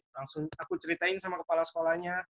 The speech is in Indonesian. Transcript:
langsung aku ceritain sama kepala sekolahnya